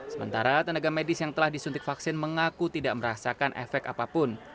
sementara tenaga medis yang telah disuntik vaksin mengaku tidak merasakan efek apapun